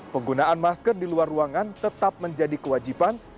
penggunaan masker di luar ruangan tetap menjadi kewajiban